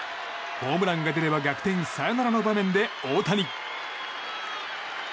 ホームランが出れば逆転サヨナラの場面で大谷。